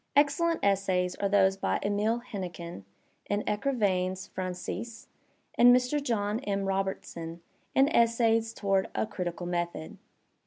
Excellent essays are those by Emile Hennequin in "Ecrivains Francises," and Mr. John M. Robertson in "Essays Toward a Critical Method."